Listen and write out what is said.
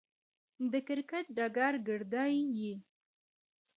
د کرکټ ډګر ګيردى يي.